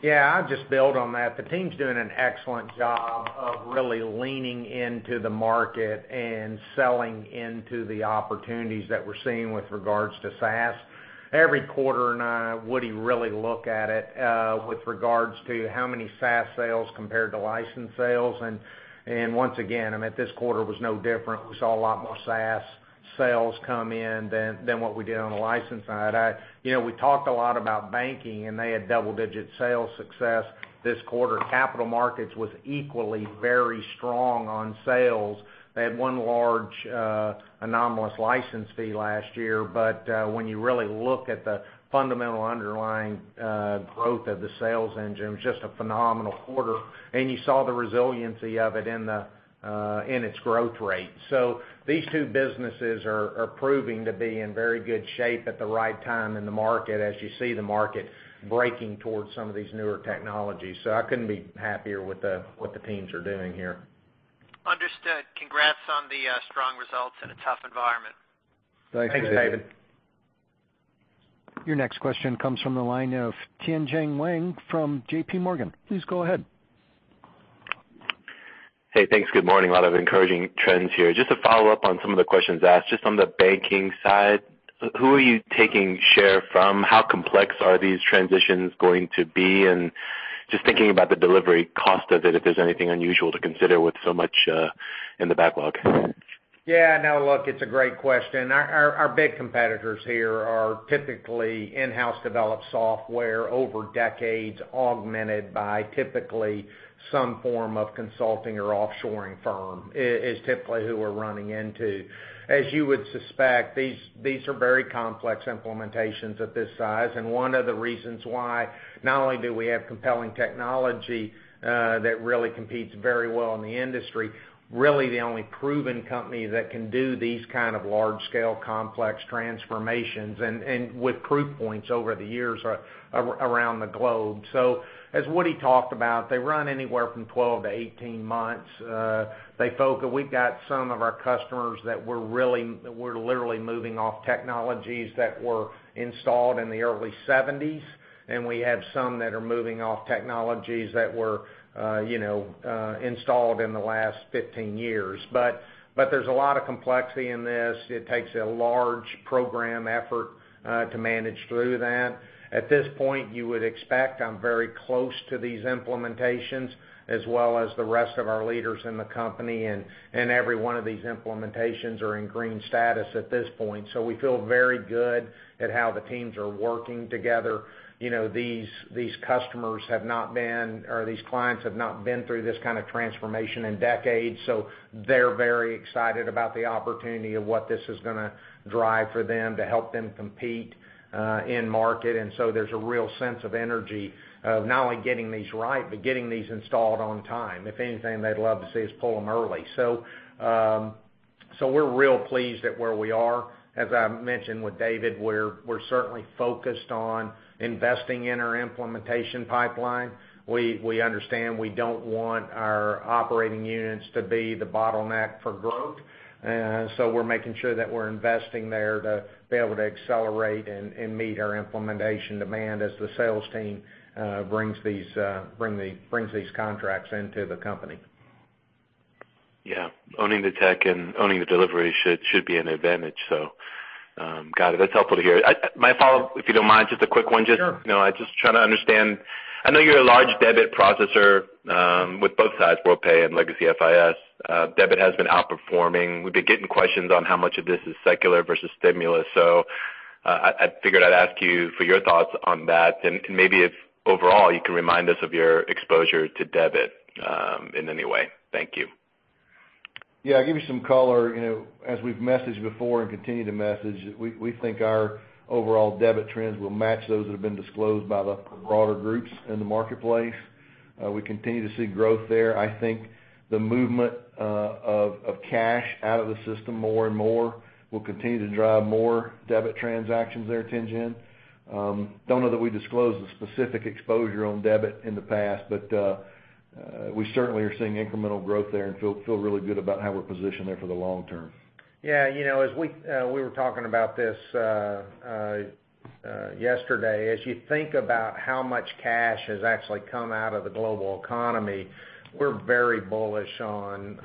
Yeah, I'd just build on that. The team's doing an excellent job of really leaning into the market and selling into the opportunities that we're seeing with regards to SaaS. Every quarter, Woody really look at it, with regards to how many SaaS sales compared to license sales. Once again, this quarter was no different. We saw a lot more SaaS sales come in than what we did on the license side. We talked a lot about banking, and they had double-digit sales success this quarter. Capital markets was equally very strong on sales. They had one large anomalous license fee last year. When you really look at the fundamental underlying growth of the sales engine, it was just a phenomenal quarter. You saw the resiliency of it in its growth rate. These two businesses are proving to be in very good shape at the right time in the market as you see the market breaking towards some of these newer technologies. I couldn't be happier with what the teams are doing here. Understood. Congrats on the strong results in a tough environment. Thanks, David. Thanks, David. Your next question comes from the line of Tien-Tsin Huang from JPMorgan. Please go ahead. Hey, thanks. Good morning. A lot of encouraging trends here. Just to follow up on some of the questions asked, just on the banking side, who are you taking share from? How complex are these transitions going to be? Just thinking about the delivery cost of it, if there's anything unusual to consider with so much in the backlog. Yeah, no, look, it's a great question. Our big competitors here are typically in-house developed software over decades, augmented by typically some form of consulting or offshoring firm, is typically who we're running into. As you would suspect, these are very complex implementations at this size, and one of the reasons why not only do we have compelling technology that really competes very well in the industry, really the only proven company that can do these kind of large-scale complex transformations, and with proof points over the years around the globe. As Woody talked about, they run anywhere from 12 to 18 months. We've got some of our customers that we're literally moving off technologies that were installed in the early 1970s, and we have some that are moving off technologies that were installed in the last 15 years. There's a lot of complexity in this. It takes a large program effort to manage through that. At this point, you would expect I'm very close to these implementations, as well as the rest of our leaders in the company. Every one of these implementations are in green status at this point. We feel very good at how the teams are working together. These clients have not been through this kind of transformation in decades. They're very excited about the opportunity of what this is going to drive for them to help them compete in market. There's a real sense of energy of not only getting these right, but getting these installed on time. If anything, they'd love to see us pull them early. We're real pleased at where we are. As I mentioned with David, we're certainly focused on investing in our implementation pipeline. We understand we don't want our operating units to be the bottleneck for growth. We're making sure that we're investing there to be able to accelerate and meet our implementation demand as the sales team brings these contracts into the company. Yeah. Owning the tech and owning the delivery should be an advantage. Got it. That's helpful to hear. My follow-up, if you don't mind, just a quick one. Sure. I'm just trying to understand. I know you're a large debit processor, with both sides, Worldpay and legacy FIS. Debit has been outperforming. We've been getting questions on how much of this is secular versus stimulus. I figured I'd ask you for your thoughts on that. Maybe if overall, you can remind us of your exposure to debit, in any way. Thank you. Yeah. I'll give you some color. As we've messaged before and continue to message, we think our overall debit trends will match those that have been disclosed by the broader groups in the marketplace. We continue to see growth there. I think the movement of cash out of the system more and more will continue to drive more debit transactions there, Tien-Tsin. Don't know that we disclosed the specific exposure on debit in the past, but we certainly are seeing incremental growth there and feel really good about how we're positioned there for the long term. Yeah. We were talking about this yesterday. As you think about how much cash has actually come out of the global economy, we're very bullish on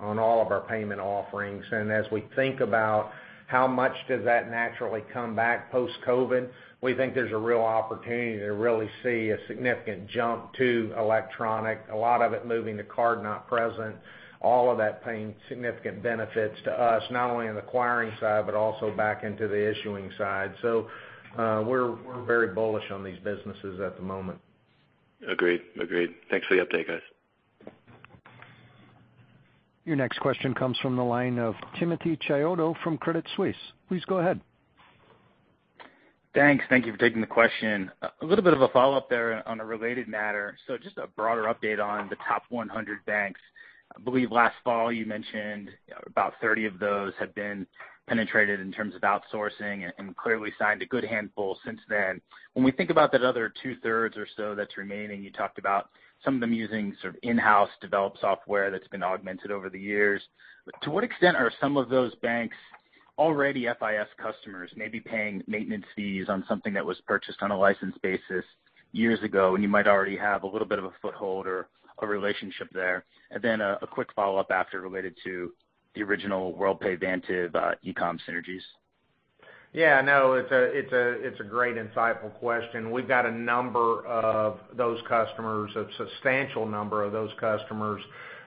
all of our payment offerings. As we think about how much does that naturally come back post-COVID, we think there's a real opportunity to really see a significant jump to electronic, a lot of it moving to card not present, all of that paying significant benefits to us, not only in the acquiring side, but also back into the issuing side. We're very bullish on these businesses at the moment. Agreed. Thanks for the update, guys. Your next question comes from the line of Timothy Chiodo from Credit Suisse. Please go ahead. Thanks. Thank you for taking the question. A little bit of a follow-up there on a related matter. Just a broader update on the top 100 banks. I believe last fall you mentioned about 30 of those have been penetrated in terms of outsourcing and clearly signed a good handful since then. When we think about that other two-thirds or so that's remaining, you talked about some of them using sort of in-house developed software that's been augmented over the years. To what extent are some of those banks already FIS customers, maybe paying maintenance fees on something that was purchased on a license basis years ago, and you might already have a little bit of a foothold or a relationship there? A quick follow-up after related to the original Worldpay Vantiv e-com synergies. Yeah, no, it's a great insightful question. We've got a number of those customers, a substantial number of those customers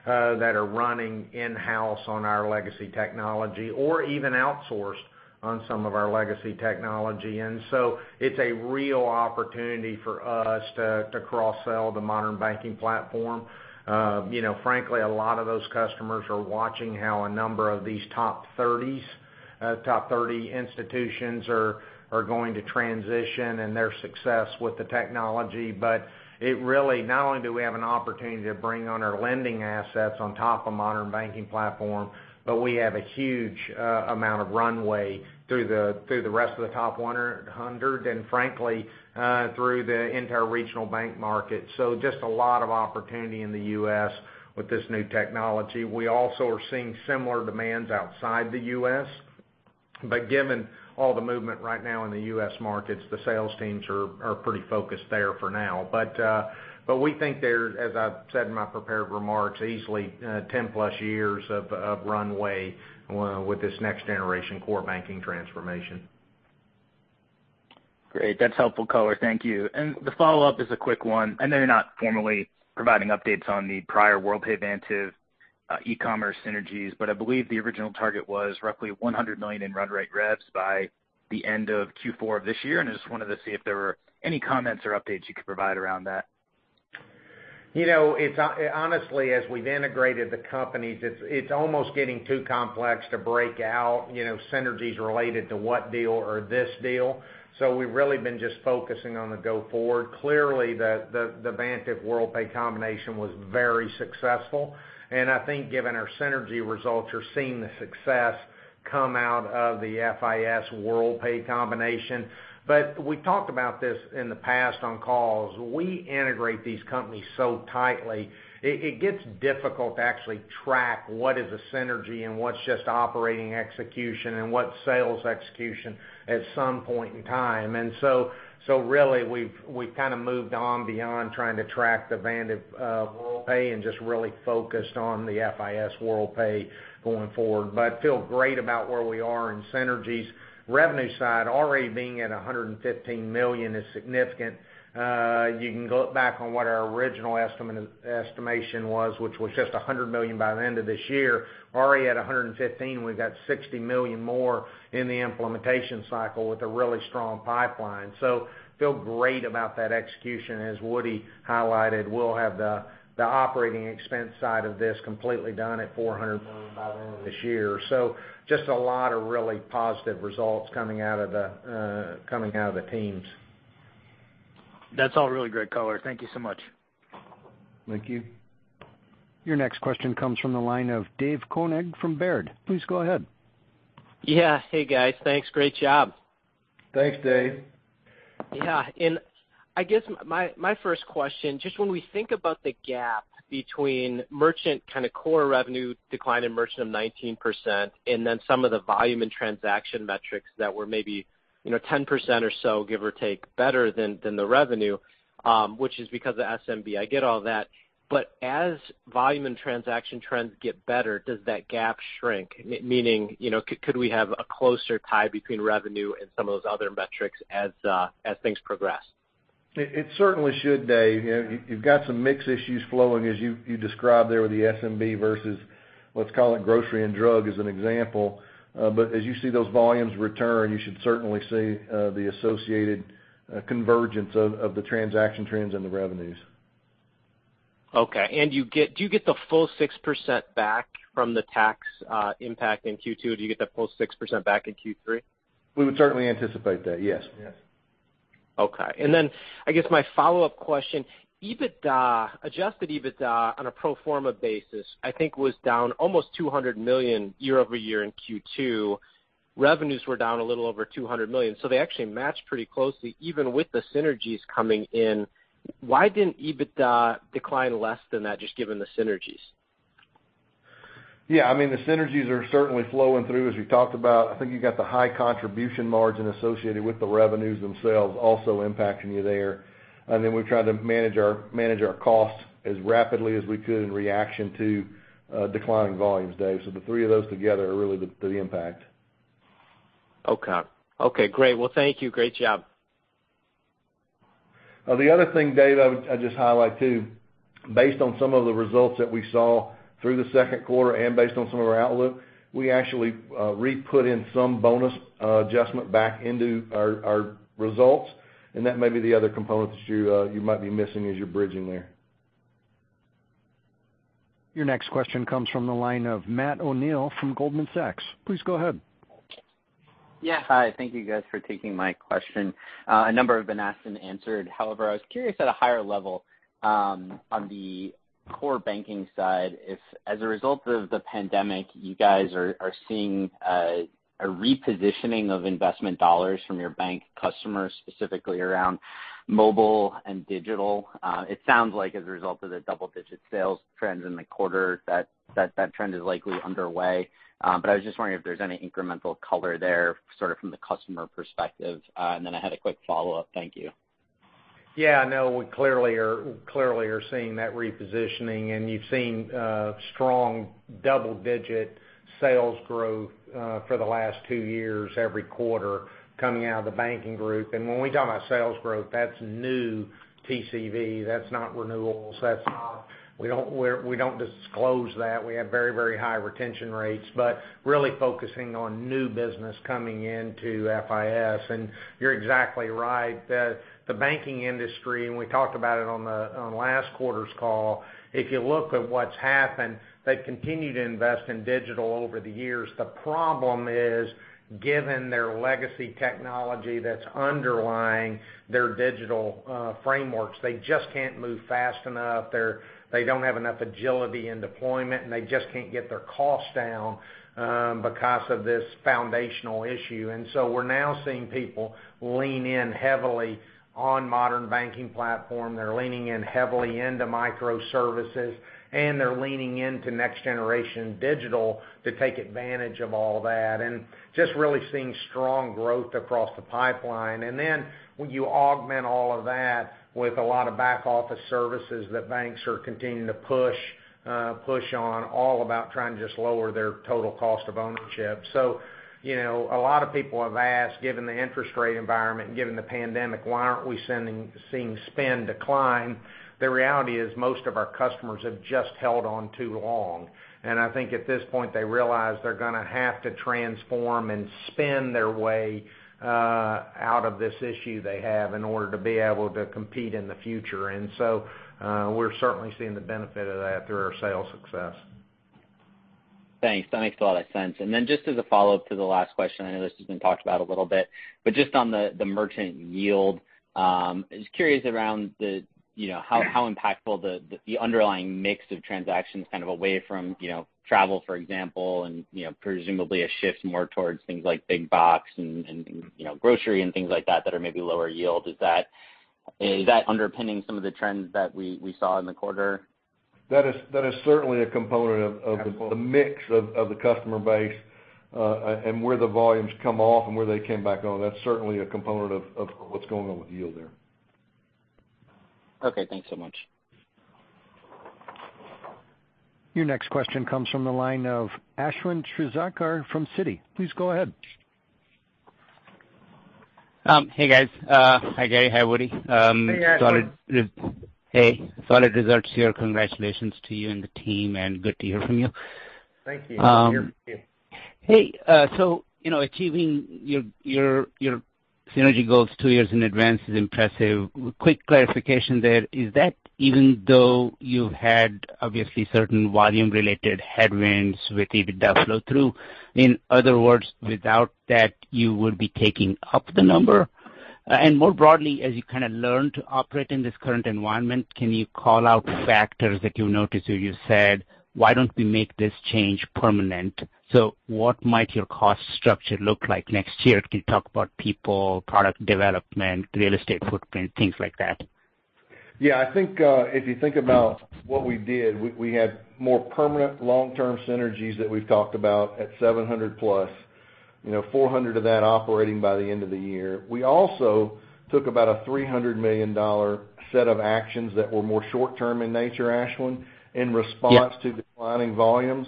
that are running in-house on our legacy technology or even outsourced on some of our legacy technology. It's a real opportunity for us to cross-sell the Modern Banking Platform. Frankly, a lot of those customers are watching how a number of these top 30 institutions are going to transition and their success with the technology. It really, not only do we have an opportunity to bring on our lending assets on top of Modern Banking Platform, but we have a huge amount of runway through the rest of the top 100, and frankly, through the entire regional bank market. Just a lot of opportunity in the U.S. with this new technology. We also are seeing similar demands outside the U.S., but given all the movement right now in the U.S. markets, the sales teams are pretty focused there for now. We think there's, as I've said in my prepared remarks, easily 10+ years of runway with this next-generation core banking transformation. Great. That's helpful color. Thank you. The follow-up is a quick one. I know you're not formally providing updates on the prior Worldpay Vantiv ecommerce synergies, but I believe the original target was roughly $100 million in run rate revs by the end of Q4 of this year, and I just wanted to see if there were any comments or updates you could provide around that. Honestly, as we've integrated the companies, it's almost getting too complex to break out synergies related to what deal or this deal. We've really been just focusing on the go forward. Clearly, the Vantiv Worldpay combination was very successful, and I think given our synergy results, you're seeing the success come out of the FIS Worldpay combination. We've talked about this in the past on calls. We integrate these companies so tightly, it gets difficult to actually track what is a synergy and what's just operating execution and what's sales execution at some point in time. Really, we've kind of moved on beyond trying to track the Vantiv Worldpay and just really focused on the FIS Worldpay going forward. Feel great about where we are in synergies. Revenue side, already being at $115 million is significant. You can look back on what our original estimation was, which was just $100 million by the end of this year. Already at $115 million, we've got $60 million more in the implementation cycle with a really strong pipeline. Feel great about that execution. As Woody highlighted, we'll have the operating expense side of this completely done at $400 million by the end of this year. Just a lot of really positive results coming out of the teams. That's all really great color. Thank you so much. Thank you. Your next question comes from the line of Dave Koning from Baird. Please go ahead. Yeah. Hey, guys. Thanks. Great job. Thanks, Dave. Yeah. I guess my first question, just when we think about the gap between merchant kind of core revenue decline in merchant of 19%, then some of the volume and transaction metrics that were maybe 10% or so, give or take, better than the revenue, which is because of SMB. I get all that. As volume and transaction trends get better, does that gap shrink? Meaning, could we have a closer tie between revenue and some of those other metrics as things progress? It certainly should, Dave. You've got some mix issues flowing as you described there with the SMB versus, let's call it grocery and drug, as an example. As you see those volumes return, you should certainly see the associated convergence of the transaction trends and the revenues. Okay. Do you get the full 6% back from the tax impact in Q2? Do you get the full 6% back in Q3? We would certainly anticipate that, yes. Okay. I guess my follow-up question, adjusted EBITDA on a pro forma basis, I think was down almost $200 million year-over-year in Q2. Revenues were down a little over $200 million. They actually match pretty closely even with the synergies coming in. Why didn't EBITDA decline less than that, just given the synergies? Yeah, the synergies are certainly flowing through, as we talked about. I think you've got the high contribution margin associated with the revenues themselves also impacting you there. We've tried to manage our costs as rapidly as we could in reaction to declining volumes, Dave. The three of those together are really the impact. Okay, great. Well, thank you. Great job. The other thing, Dave, I would just highlight, too, based on some of the results that we saw through the second quarter and based on some of our outlook, we actually re-put in some bonus adjustment back into our results, and that may be the other component that you might be missing as you're bridging there. Your next question comes from the line of Matt O'Neill from Goldman Sachs. Please go ahead. Yeah. Hi. Thank you guys for taking my question. A number have been asked and answered. However, I was curious at a higher level, on the core banking side, if as a result of the pandemic, you guys are seeing a repositioning of investment dollars from your bank customers, specifically around mobile and digital. It sounds like as a result of the double-digit sales trends in the quarter, that trend is likely underway. I was just wondering if there's any incremental color there, sort of from the customer perspective. I had a quick follow-up. Thank you. Yeah, no, we clearly are seeing that repositioning and you've seen strong double-digit sales growth for the last two years, every quarter coming out of the banking group. When we talk about sales growth, that's new TCV. That's not renewals. We don't disclose that. We have very, very high retention rates, but really focusing on new business coming into FIS. You're exactly right. The banking industry, and we talked about it on last quarter's call, if you look at what's happened, they've continued to invest in digital over the years. The problem is, given their legacy technology that's underlying their digital frameworks, they just can't move fast enough. They don't have enough agility in deployment, and they just can't get their costs down because of this foundational issue. We're now seeing people lean in heavily on Modern Banking Platform. They're leaning in heavily into microservices, they're leaning into next generation digital to take advantage of all that and just really seeing strong growth across the pipeline. Then when you augment all of that with a lot of back office services that banks are continuing to push on, all about trying to just lower their total cost of ownership. A lot of people have asked, given the interest rate environment and given the pandemic, why aren't we seeing spend decline? The reality is most of our customers have just held on too long. I think at this point, they realize they're going to have to transform and spend their way out of this issue they have in order to be able to compete in the future. We're certainly seeing the benefit of that through our sales success. Thanks. That makes a lot of sense. Just as a follow-up to the last question, I know this has been talked about a little bit, but just on the merchant yield, just curious around how impactful the underlying mix of transactions kind of away from travel, for example, and presumably a shift more towards things like big box and grocery and things like that are maybe lower yield. Is that underpinning some of the trends that we saw in the quarter? That is certainly a component of the mix of the customer base, where the volumes come off and where they came back on. That's certainly a component of what's going on with yield there. Okay, thanks so much. Your next question comes from the line of Ashwin Shirvaikar from Citi. Please go ahead. Hey, guys. Hi, Gary. Hi, Woody. Hey, Ashwin. Hey. Solid results here. Congratulations to you and the team, and good to hear from you. Thank you. Good to hear from you. Achieving your synergy goals two years in advance is impressive. Quick clarification there, is that even though you've had obviously certain volume-related headwinds with even that flow through, in other words, without that, you would be taking up the number? More broadly, as you kind of learn to operate in this current environment, can you call out factors that you noticed where you said, "Why don't we make this change permanent?" What might your cost structure look like next year? Can you talk about people, product development, real estate footprint, things like that? Yeah, I think, if you think about what we did, we had more permanent long-term synergies that we've talked about at $700 million-plus, $400 million of that operating by the end of the year. We also took about a $300 million set of actions that were more short-term in nature, Ashwin- Yeah in response to declining volumes.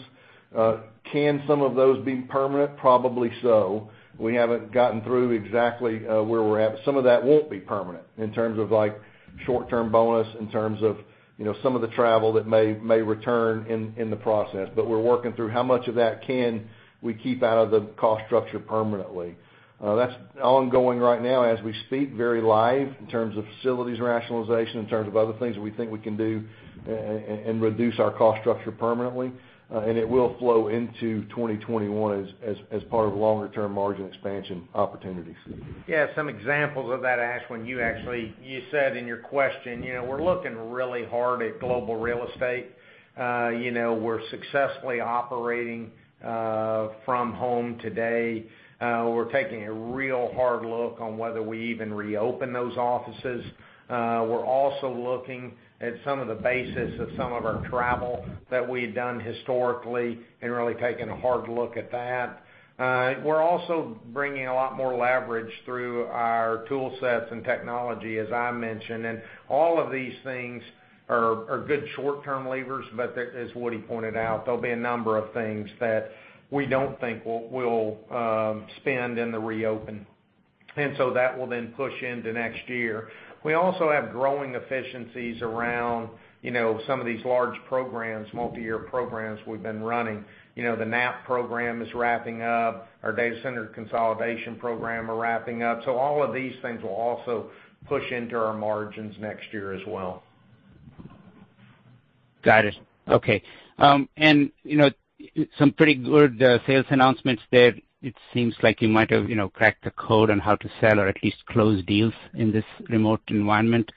Can some of those be permanent? Probably so. We haven't gotten through exactly where we're at, but some of that won't be permanent in terms of short-term bonus, in terms of some of the travel that may return in the process. We're working through how much of that can we keep out of the cost structure permanently. That's ongoing right now as we speak, very live in terms of facilities rationalization, in terms of other things that we think we can do and reduce our cost structure permanently. It will flow into 2021 as part of longer-term margin expansion opportunities. Some examples of that, Ashwin, you said in your question. We're looking really hard at global real estate. We're successfully operating from home today. We're taking a real hard look on whether we even reopen those offices. We're also looking at some of the basis of some of our travel that we've done historically and really taking a hard look at that. We're also bringing a lot more leverage through our tool sets and technology, as I mentioned, and all of these things are good short-term levers, but as Woody pointed out, there'll be a number of things that we don't think we'll spend in the reopen. That will then push into next year. We also have growing efficiencies around some of these large programs, multi-year programs we've been running. The NAP program is wrapping up. Our data center consolidation program are wrapping up. All of these things will also push into our margins next year as well. Got it. Okay. Some pretty good sales announcements there. It seems like you might have cracked the code on how to sell or at least close deals in this remote environment.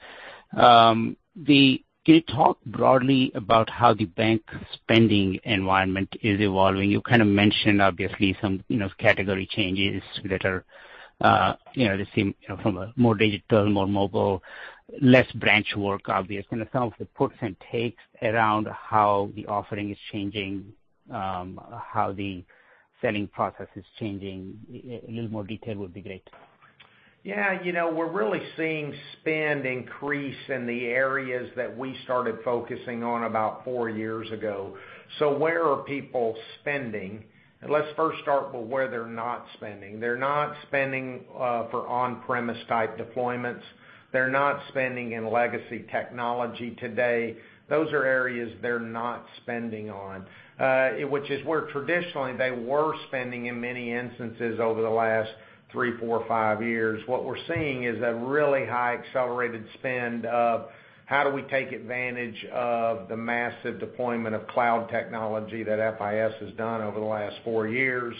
Can you talk broadly about how the bank spending environment is evolving? You kind of mentioned obviously some category changes that seem from a more digital, more mobile, less branch work, obviously. Some of the puts and takes around how the offering is changing, how the selling process is changing. A little more detail would be great. Yeah. We're really seeing spend increase in the areas that we started focusing on about four years ago. Where are people spending? Let's first start with where they're not spending. They're not spending for on-premise type deployments. They're not spending in legacy technology today. Those are areas they're not spending on, which is where traditionally they were spending in many instances over the last three, four, five years. What we're seeing is a really high accelerated spend of how do we take advantage of the massive deployment of cloud technology that FIS has done over the last four years.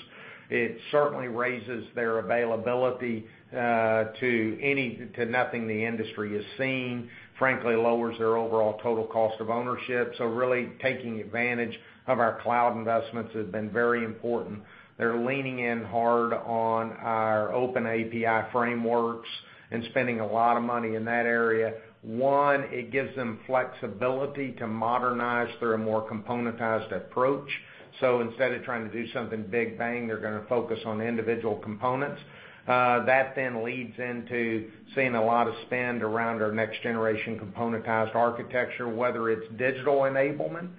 It certainly raises their availability to nothing the industry has seen. Frankly, lowers their overall total cost of ownership. Really taking advantage of our cloud investments has been very important. They're leaning in hard on our OpenAPI frameworks and spending a lot of money in that area. One, it gives them flexibility to modernize through a more componentized approach. Instead of trying to do something big bang, they're going to focus on individual components. That leads into seeing a lot of spend around our next generation componentized architecture, whether it's digital enablement.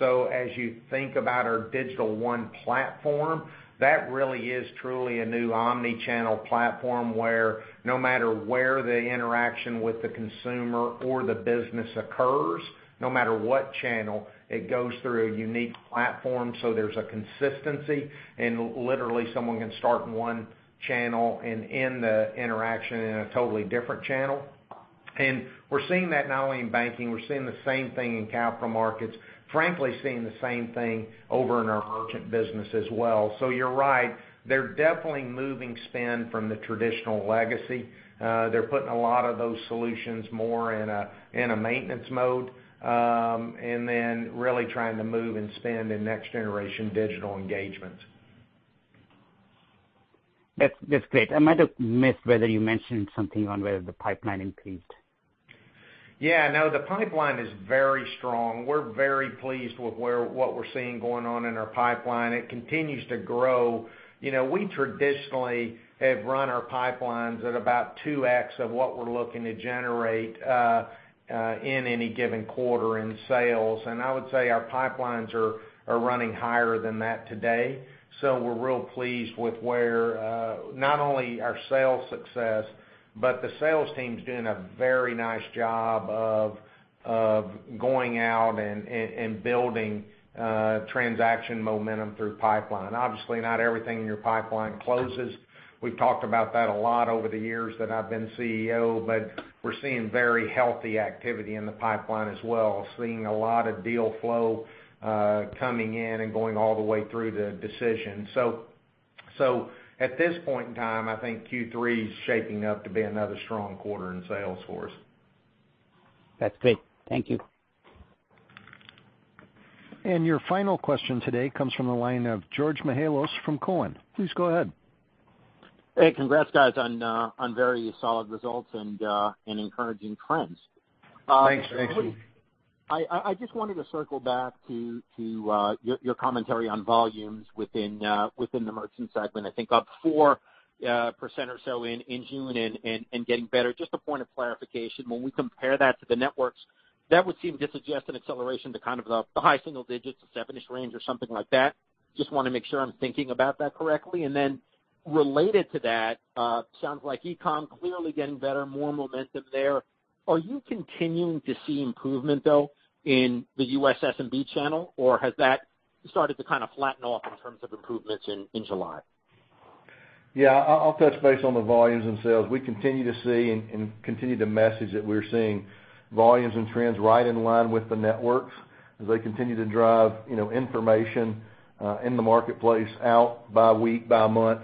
As you think about our Digital One platform, that really is truly a new omni-channel platform where no matter where the interaction with the consumer or the business occurs, no matter what channel, it goes through a unique platform, so there's a consistency and literally someone can start in one channel and end the interaction in a totally different channel. We're seeing that not only in banking, we're seeing the same thing in capital markets. Frankly, seeing the same thing over in our merchant business as well. You're right, they're definitely moving spend from the traditional legacy. They're putting a lot of those solutions more in a maintenance mode, really trying to move and spend in next generation digital engagements. That's great. I might have missed whether you mentioned something on whether the pipeline increased. Yeah, no, the pipeline is very strong. We're very pleased with what we're seeing going on in our pipeline. It continues to grow. We traditionally have run our pipelines at about 2x of what we're looking to generate, in any given quarter in sales. I would say our pipelines are running higher than that today. We're real pleased with where, not only our sales success, but the sales team's doing a very nice job of going out and building transaction momentum through pipeline. Obviously, not everything in your pipeline closes. We've talked about that a lot over the years that I've been CEO, but we're seeing very healthy activity in the pipeline as well, seeing a lot of deal flow coming in and going all the way through to decision. At this point in time, I think Q3 is shaping up to be another strong quarter in sales for us. That's great. Thank you. Your final question today comes from the line of George Mihalos from Cowen. Please go ahead. Hey, congrats guys on very solid results and encouraging trends. Thanks, George. I just wanted to circle back to your commentary on volumes within the merchant segment. I think up 4% or so in June and getting better. Just a point of clarification, when we compare that to the networks, that would seem to suggest an acceleration to kind of the high single digits, the seven-ish range or something like that. Just want to make sure I'm thinking about that correctly. Related to that, sounds like e-com clearly getting better, more momentum there. Are you continuing to see improvement though in the U.S. SMB channel, or has that started to kind of flatten off in terms of improvements in July? Yeah, I'll touch base on the volumes and sales. We continue to see and continue to message that we're seeing volumes and trends right in line with the networks as they continue to drive information in the marketplace out by week, by month.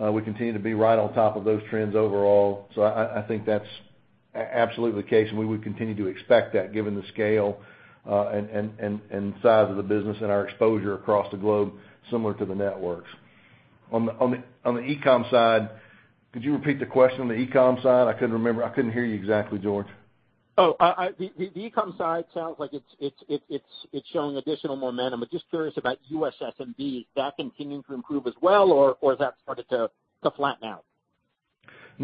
We continue to be right on top of those trends overall. So I think that's absolutely the case, and we would continue to expect that given the scale and size of the business and our exposure across the globe, similar to the networks. On the e-com side, could you repeat the question on the e-com side? I couldn't hear you exactly, George. Oh, the e-com side sounds like it's showing additional momentum, but just curious about U.S. SMB. Is that continuing to improve as well or has that started to flatten out?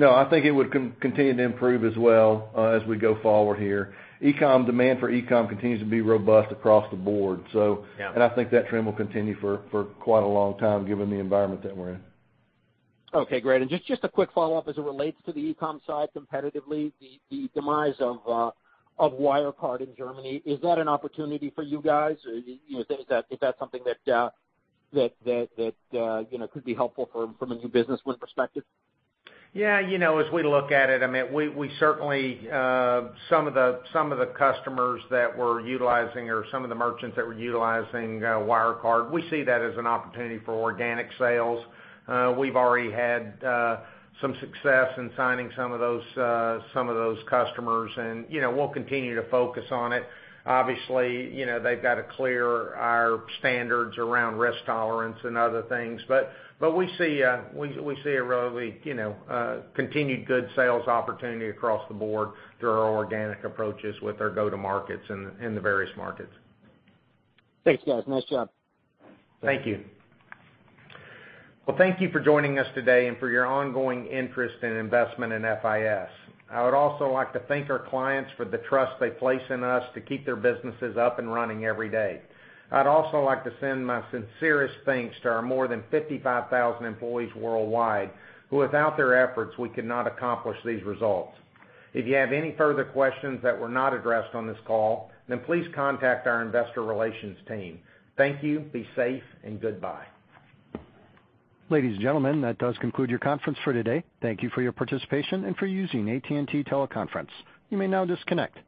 I think it would continue to improve as well as we go forward here. Demand for e-com continues to be robust across the board. Yeah. I think that trend will continue for quite a long time given the environment that we're in. Okay, great. Just a quick follow-up as it relates to the e-com side competitively, the demise of Wirecard in Germany, is that an opportunity for you guys? Is that something that could be helpful from a new business win perspective? As we look at it, some of the customers that we're utilizing or some of the merchants that were utilizing Wirecard, we see that as an opportunity for organic sales. We've already had some success in signing some of those customers and we'll continue to focus on it. Obviously, they've got to clear our standards around risk tolerance and other things, but we see a continued good sales opportunity across the board through our organic approaches with our go-to-markets in the various markets. Thanks, guys. Nice job. Thank you. Well, thank you for joining us today and for your ongoing interest and investment in FIS. I would also like to thank our clients for the trust they place in us to keep their businesses up and running every day. I'd also like to send my sincerest thanks to our more than 55,000 employees worldwide, who without their efforts, we could not accomplish these results. If you have any further questions that were not addressed on this call, then please contact our investor relations team. Thank you. Be safe and goodbye. Ladies and gentlemen, that does conclude your conference for today. Thank you for your participation and for using AT&T Teleconference. You may now disconnect.